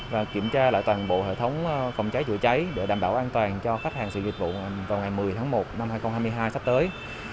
và kiểm tra lại toàn bộ hệ thống phòng cháy chữa cháy để đảm bảo an toàn cho khách hàng sử dụng dịch vụ vào ngày một mươi tháng một năm hai nghìn hai mươi hai sắp tới